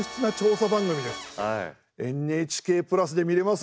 「ＮＨＫプラス」で見れます。